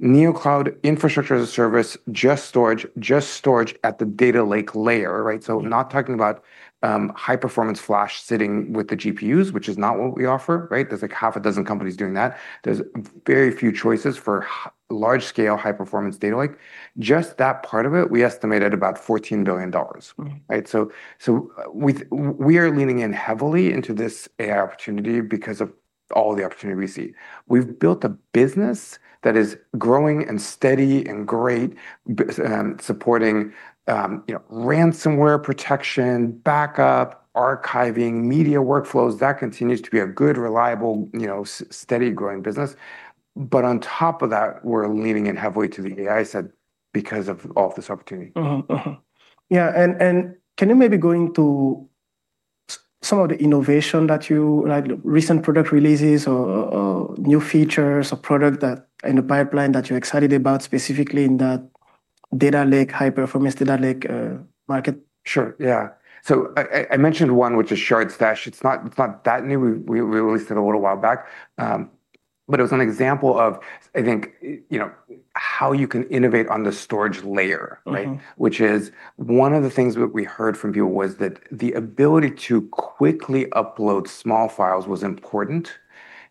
neocloud Infrastructure-as-a-Service, just storage at the data lake layer, right? Not talking about high-performance flash sitting with the GPUs, which is not what we offer, right? There's a half a dozen companies doing that. There's very few choices for large-scale high-performance data lake. Just that part of it, we estimated about $14 billion. We are leaning in heavily into this AI opportunity because of all the opportunity we see. We've built a business that is growing and steady and great, supporting ransomware protection, backup, archiving, media workflows. That continues to be a good, reliable, steady growing business. On top of that, we're leaning in heavily to the AI side because of all this opportunity. Yeah, can you maybe go into some of the innovation, like recent product releases or new features or product in the pipeline that you're excited about, specifically in that high-performance data lake market? Sure. Yeah. I mentioned one, which is Shard Stash. It's not that new. We released it a little while back. It was an example of, I think, how you can innovate on the storage layer. Which is one of the things that we heard from people was that the ability to quickly upload small files was important,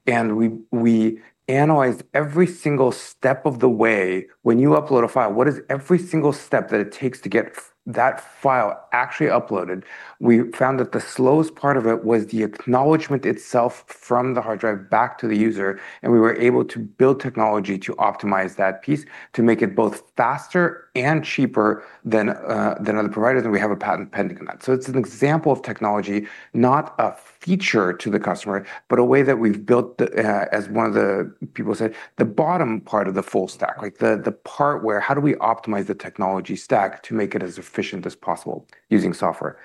and we analyzed every single step of the way. When you upload a file, what is every single step that it takes to get that file actually uploaded? We found that the slowest part of it was the acknowledgement itself from the hard drive back to the user, and we were able to build technology to optimize that piece to make it both faster and cheaper than other providers, and we have a patent pending on that. It's an example of technology, not a feature to the customer, but a way that we've built, as one of the people said, the bottom part of the full stack. The part where, how do we optimize the technology stack to make it as efficient as possible using software?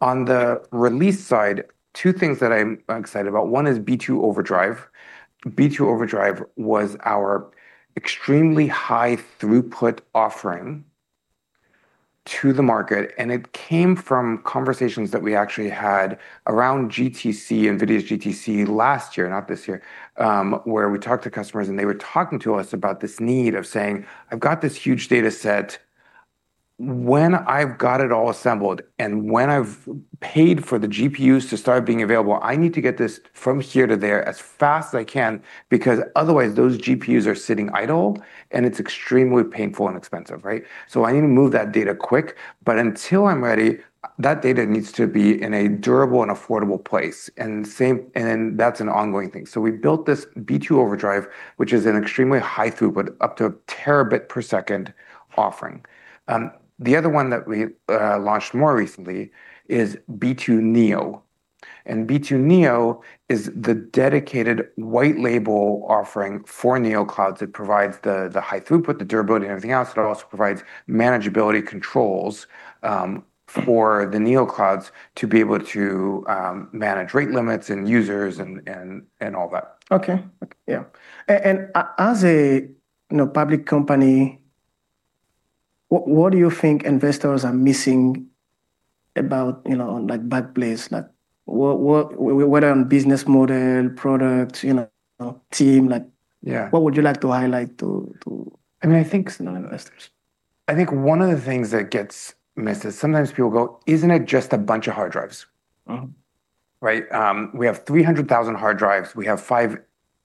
On the release side, two things that I'm excited about. One is B2 Overdrive. B2 Overdrive was our extremely high throughput offering to the market, and it came from conversations that we actually had around GTC, NVIDIA's GTC last year, not this year, where we talked to customers, and they were talking to us about this need of saying, "I've got this huge data set." When I've got it all assembled and when I've paid for the GPUs to start being available, I need to get this from here to there as fast as I can, because otherwise, those GPUs are sitting idle, and it's extremely painful and expensive. I need to move that data quick. Until I'm ready, that data needs to be in a durable and affordable place. That's an ongoing thing. We built this B2 Overdrive, which is an extremely high throughput, up to a terabit per second offering. The other one that we launched more recently is B2 Neo. B2 Neo is the dedicated white label offering for neoclouds. It provides the high throughput, the durability, and everything else, but it also provides manageability controls for the neoclouds to be able to manage rate limits and users and all that. Okay. Yeah. As a public company, what do you think investors are missing about Backblaze, like whether on business model, product, team? Yeah What would you like to highlight? I think- investors? I think one of the things that gets missed is sometimes people go, "Isn't it just a bunch of hard drives? Right? We have 300,000 hard drives. We have 5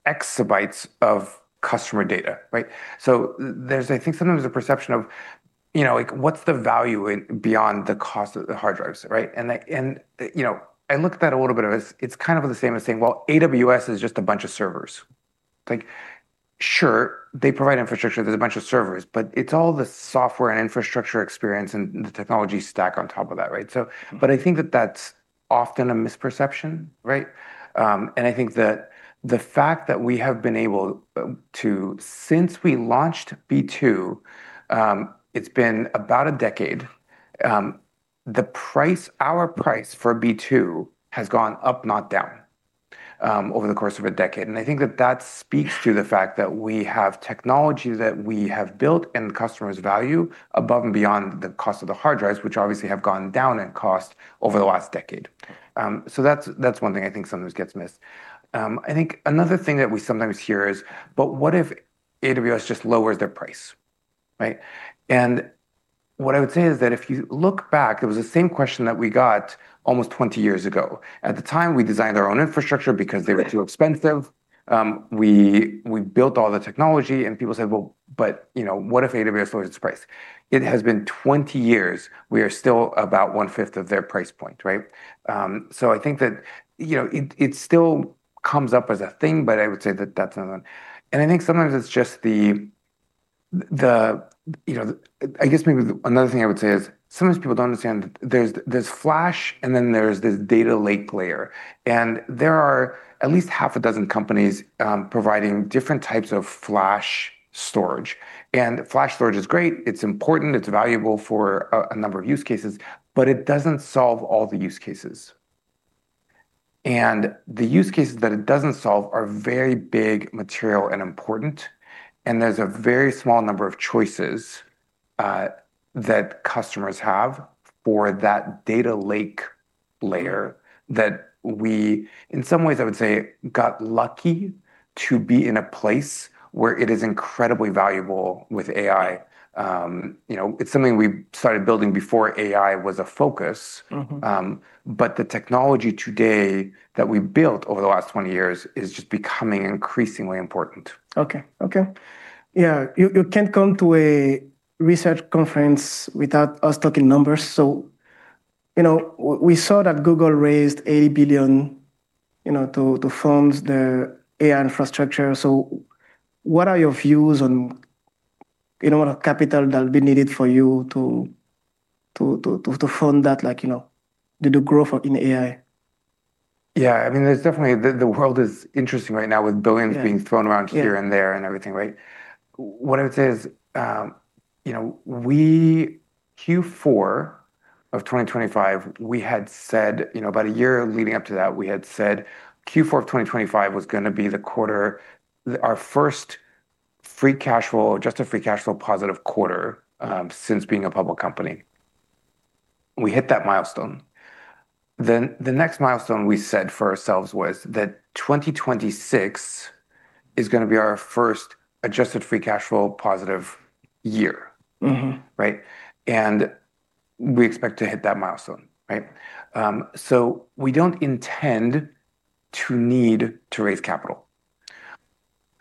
EB of customer data. I think sometimes the perception of, what's the value beyond the cost of the hard drives, right? I look at that a little bit of as it's kind of the same as saying, well, AWS is just a bunch of servers. Sure, they provide infrastructure, there's a bunch of servers, but it's all the software and infrastructure experience and the technology stack on top of that, right? I think that that's often a misperception. I think that the fact that we have been able to, since we launched B2, it's been about a decade. Our price for B2 has gone up, not down, over the course of a decade. I think that that speaks to the fact that we have technology that we have built and customers value above and beyond the cost of the hard drives, which obviously have gone down in cost over the last decade. That's one thing I think sometimes gets missed. I think another thing that we sometimes hear is, what if AWS just lowers their price, right? What I would say is that if you look back, it was the same question that we got almost 20 years ago. At the time, we designed our own infrastructure because they were too expensive. We built all the technology and people said, "What if AWS lowers its price?" It has been 20 years. We are still about 1/5 of their price point. I think that it still comes up as a thing, but I would say that that's another one. I guess maybe another thing I would say is sometimes people don't understand there's flash and then there's this data lake layer, and there are at least half a dozen companies providing different types of flash storage. Flash storage is great. It's important, it's valuable for a number of use cases, but it doesn't solve all the use cases. The use cases that it doesn't solve are very big, material, and important, and there's a very small number of choices that customers have for that data lake layer that we, in some ways, I would say, got lucky to be in a place where it is incredibly valuable with AI. It's something we started building before AI was a focus. The technology today that we've built over the last 20 years is just becoming increasingly important. Okay. Yeah. You can't come to a research conference without us talking numbers. We saw that Google raised $80 billion to fund the AI infrastructure. What are your views on capital that'll be needed for you to fund that, the growth in AI? Yeah. The world is interesting right now with billions being thrown around here. Yeah There and everything, right? What I would say is Q4 of 2025, about a year leading up to that, we had said Q4 of 2025 was going to be our first adjusted free cash flow positive quarter since being a public company. We hit that milestone. The next milestone we set for ourselves was that 2026 is going to be our first adjusted free cash flow positive year. Right? We expect to hit that milestone, right? We don't intend to need to raise capital.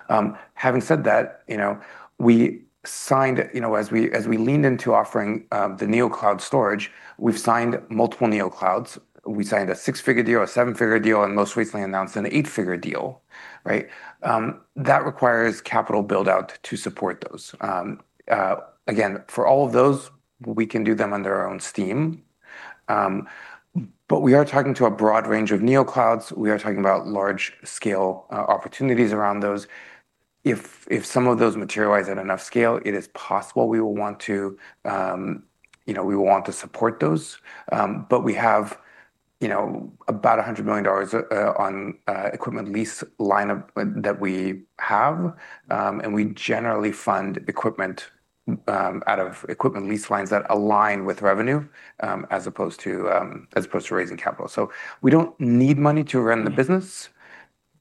Having said that, as we leaned into offering the neocloud storage, we've signed multiple neoclouds. We signed a six-figure deal, a seven-figure deal, and most recently announced an eight-figure deal, right? That requires capital build-out to support those. Again, for all of those, we can do them under our own steam. We are talking to a broad range of neoclouds. We are talking about large-scale opportunities around those. If some of those materialize at enough scale, it is possible we will want to support those. We have about $100 million on equipment lease line that we have. We generally fund equipment out of equipment lease lines that align with revenue, as opposed to raising capital. We don't need money to run the business.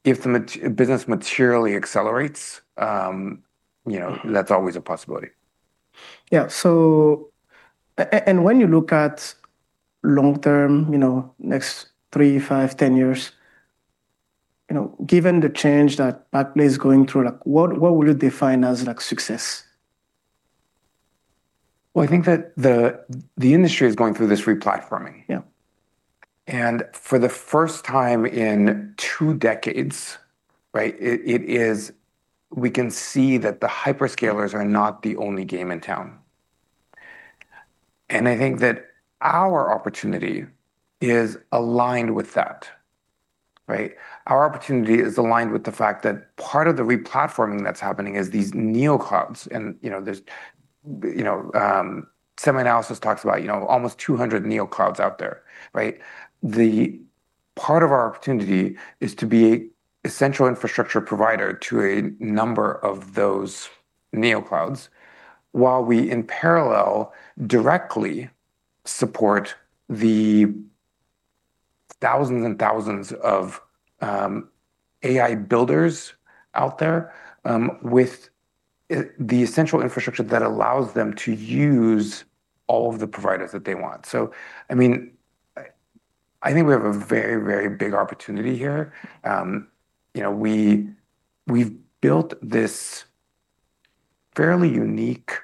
If the business materially accelerates, that's always a possibility. Yeah. When you look at long term, next three, five, 10 years, given the change that Backblaze is going through, what would you define as success? Well, I think that the industry is going through this re-platforming. Yeah. For the first time in two decades, right, we can see that the hyperscalers are not the only game in town. I think that our opportunity is aligned with that, right? Our opportunity is aligned with the fact that part of the re-platforming that's happening is these neoclouds, and some analysis talks about almost 200 neoclouds out there, right? The part of our opportunity is to be a essential infrastructure provider to a number of those neoclouds while we, in parallel, directly support the thousands and thousands of AI builders out there, with the essential infrastructure that allows them to use all of the providers that they want. I think we have a very big opportunity here. We've built this fairly unique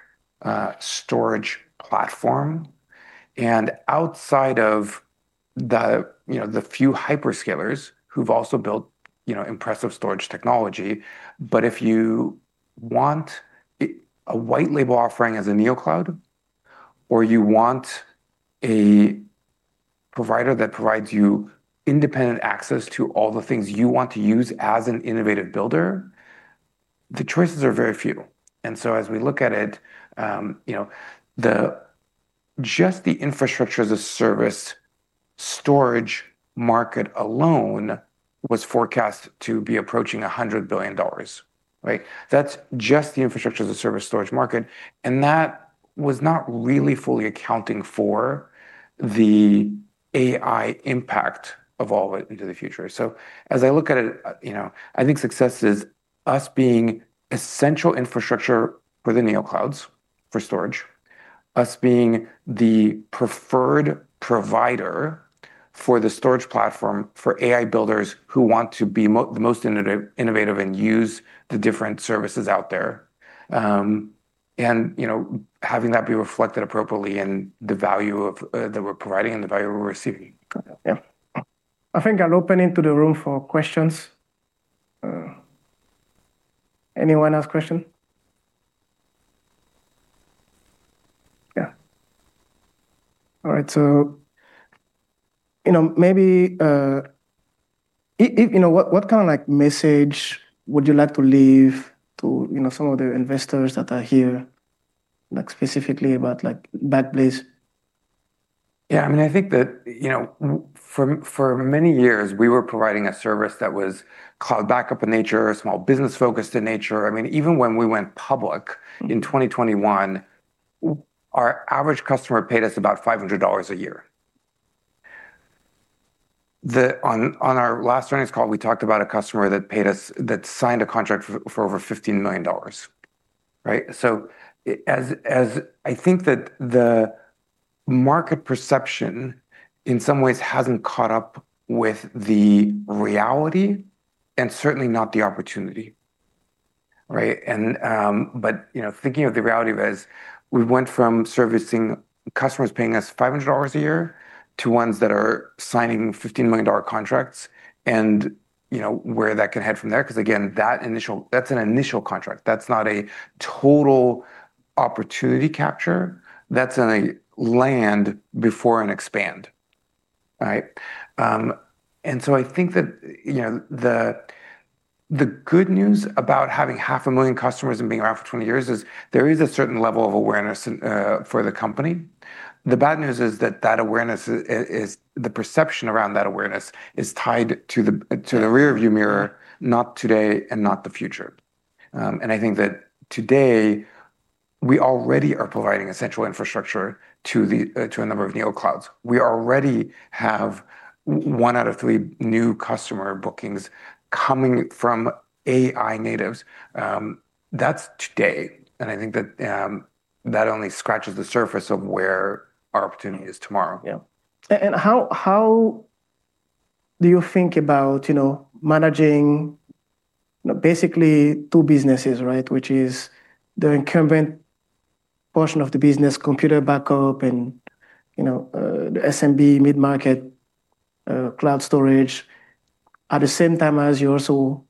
storage platform and outside of the few hyperscalers who've also built impressive storage technology. If you want a white label offering as a neocloud, or you want a provider that provides you independent access to all the things you want to use as an innovative builder, the choices are very few. As we look at it, just the infrastructure as a service storage market alone was forecast to be approaching $100 billion, right? That's just the infrastructure as a service storage market, and that was not really fully accounting for the AI impact of all of it into the future. As I look at it, I think success is us being essential infrastructure for the neoclouds for storage, us being the preferred provider for the storage platform for AI builders who want to be the most innovative and use the different services out there. Having that be reflected appropriately in the value that we're providing and the value we're receiving. Got it. Yeah. I think I'll open into the room for questions. Anyone has question? Yeah. All right. What kind of message would you like to leave to some of the investors that are here, specifically about Backblaze? Yeah, I think that, for many years, we were providing a service that was cloud backup in nature, small business-focused in nature. Even when we went public in 2021, our average customer paid us about $500 a year. On our last earnings call, we talked about a customer that signed a contract for over $15 million. Right? I think that the market perception, in some ways, hasn't caught up with the reality, and certainly not the opportunity. Right? Thinking of the reality of it is we went from servicing customers paying us $500 a year to ones that are signing $15 million contracts and where that can head from there, because again, that's an initial contract. That's not a total opportunity capture. That's in a land before an expand. Right? I think that the good news about having half a million customers and being around for 20 years is there is a certain level of awareness for the company. The bad news is that the perception around that awareness is tied to the rear view mirror, not today and not the future. I think that today we already are providing essential infrastructure to a number of neoclouds. We already have one out of three new customer bookings coming from AI natives. That's today, and I think that only scratches the surface of where our opportunity is tomorrow. Yeah. How do you think about managing basically two businesses, right? Which is the incumbent portion of the business, computer backup and the SMB mid-market cloud storage, at the same time as you're also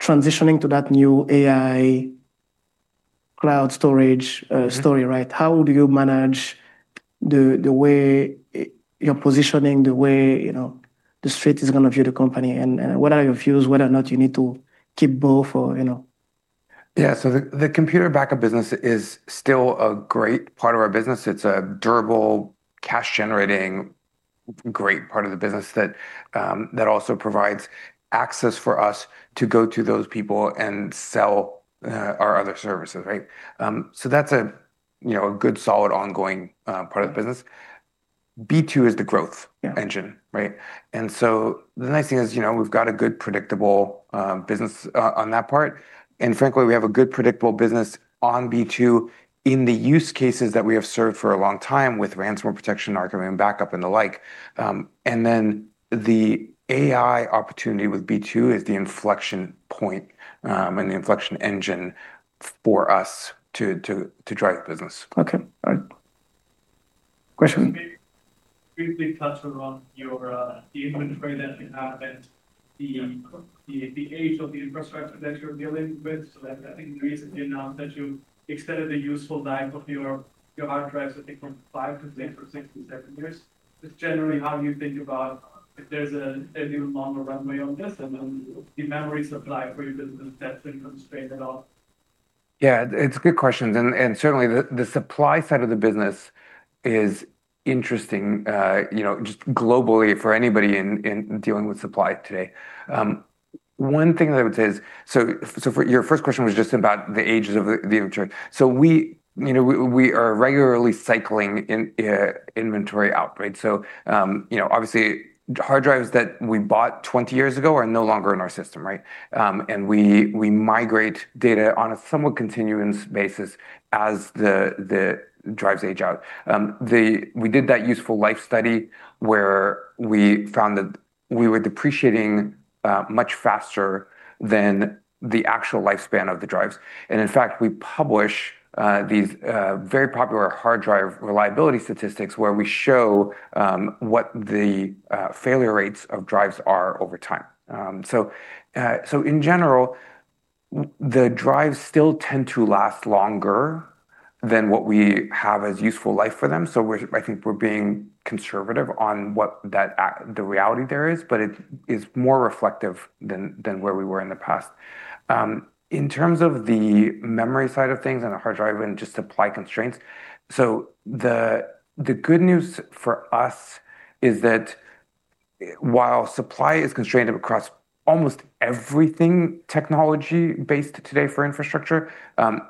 transitioning to that new AI cloud storage story, right? How do you manage the way you're positioning, the way the street is going to view the company, and what are your views whether or not you need to keep both? The computer backup business is still a great part of our business. It's a durable, cash-generating, great part of the business that also provides access for us to go to those people and sell our other services, right? That's a good, solid, ongoing part of the business. B2 is the growth engine. Yeah. Right? The nice thing is we've got a good, predictable business on that part, and frankly, we have a good, predictable business on B2 in the use cases that we have served for a long time with ransomware protection, archive and backup, and the like. The AI opportunity with B2 is the inflection point, and the inflection engine for us to drive business. Okay. All right. Question? Maybe briefly touch around the inventory that you have and the age of the infrastructure that you're dealing with. I think recently announced that you extended the useful life of your hard drives, I think, from five to six or six to seven years. Just generally, how do you think about if there's a new longer runway on this, and then the memory supply for your business, does it constrain at all? Yeah. It's a good question. Certainly, the supply side of the business is interesting, just globally for anybody dealing with supply today. One thing that I would say is, your first question was just about the ages of the inventory. We are regularly cycling inventory out, right? Obviously hard drives that we bought 20 years ago are no longer in our system, right? We migrate data on a somewhat continuous basis as the drives age out. We did that useful life study where we found that we were depreciating much faster than the actual lifespan of the drives. In fact, we publish these very popular hard drive reliability statistics where we show what the failure rates of drives are over time. In general, the drives still tend to last longer than what we have as useful life for them. I think we're being conservative on what the reality there is, but it is more reflective than where we were in the past. In terms of the memory side of things and the hard drive and just supply constraints, the good news for us is that while supply is constrained across almost everything technology-based today for infrastructure,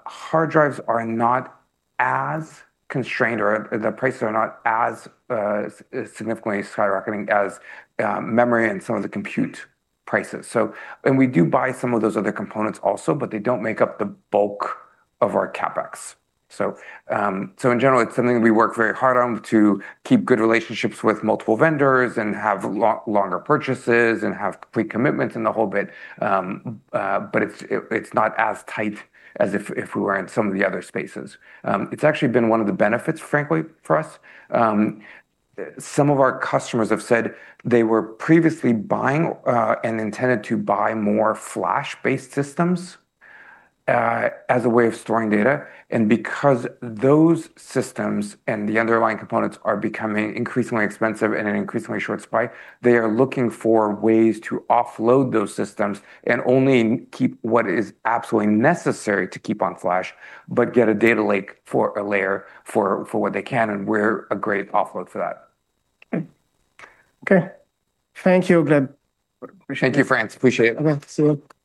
hard drives are not as constrained, or the prices are not as significantly skyrocketing as memory and some of the compute prices. We do buy some of those other components also, but they don't make up the bulk of our CapEx. In general, it's something that we work very hard on to keep good relationships with multiple vendors and have longer purchases and have pre-commitments and the whole bit, but it's not as tight as if we were in some of the other spaces. It's actually been one of the benefits, frankly, for us. Some of our customers have said they were previously buying and intended to buy more flash-based systems as a way of storing data. Because those systems and the underlying components are becoming increasingly expensive and in increasingly short supply, they are looking for ways to offload those systems and only keep what is absolutely necessary to keep on flash, but get a data lake for a layer for what they can, and we're a great offload for that. Okay. Thank you, Gleb. Appreciate it. Thank you, Franz. Appreciate it. Okay. See you. Take care.